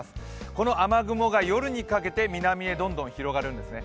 この雨雲が夜にかけて南へどんどん広がるんですね。